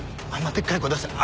でっかい声出したら。